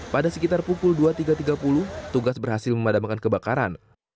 pada sekitar pukul dua tiga puluh tugas berhasil memadamkan kebakaran